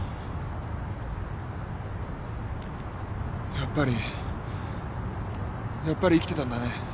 やっぱりやっぱり生きてたんだね。